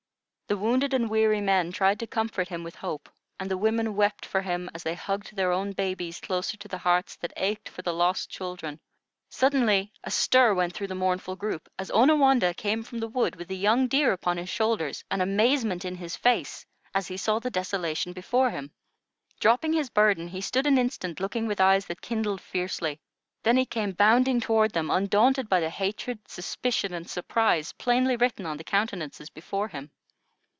The wounded and weary men tried to comfort him with hope, and the women wept with him as they hugged their own babies closer to the hearts that ached for the lost children. Suddenly a stir went through the mournful group, as Onawandah came from the wood with a young deer upon his shoulders, and amazement in his face as he saw the desolation before him. Dropping his burden, he stood an instant looking with eyes that kindled fiercely; then he came bounding toward them, undaunted by the hatred, suspicion, and surprise plainly written on the countenances before him.